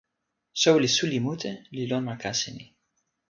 soweli suli mute li lon ma kasi ni.